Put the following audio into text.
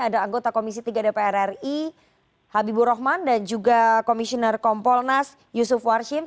ada anggota komisi tiga dpr ri habibur rahman dan juga komisioner kompolnas yusuf warshim